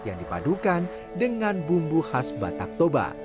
yang dipadukan dengan bumbu khas batak toba